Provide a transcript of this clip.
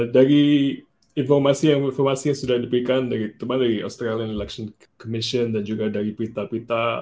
dari informasi yang sudah diberikan dari teman teman dari australian election commission dan juga dari berita berita